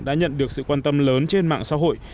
đã nhận được sự quan tâm lớn trên mạng xã hội